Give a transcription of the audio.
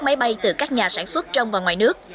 máy bay từ các nhà sản xuất trong và ngoài nước